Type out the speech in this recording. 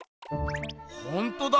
ほんとだ！